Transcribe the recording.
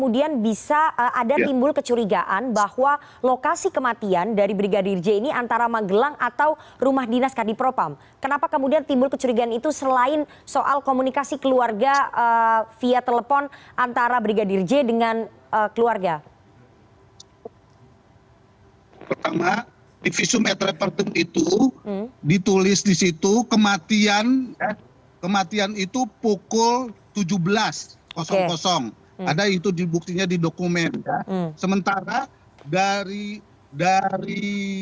ditulis di situ kematian kematian itu pukul tujuh belas ada itu dibuktinya di dokumen sementara dari dari